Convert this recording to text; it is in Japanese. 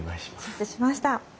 承知しました。